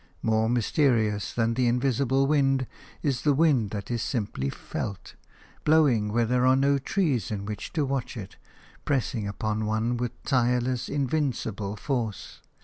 More mysterious than the invisible wind is the wind that is simply felt, blowing where there are no trees in which to watch it, pressing upon one with tireless, invincible force.